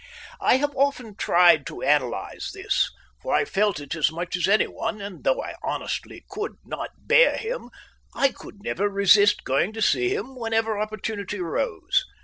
I often tried to analyse this, for I felt it as much as anyone, and though I honestly could not bear him, I could never resist going to see him whenever opportunity arose.